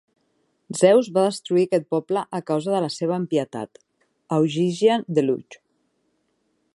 Zeus va destruir aquest poble a causa de la seva impietat, a Ogygian Deluge.